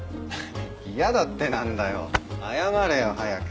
「嫌だ」って何だよ謝れよ早く。